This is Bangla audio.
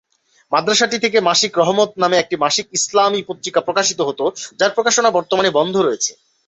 মাদ্রাসাটি থেকে "মাসিক রহমত" নামে একটি মাসিক ইসলামি পত্রিকা প্রকাশিত হত, যার প্রকাশনা বর্তমানে বন্ধ রয়েছে।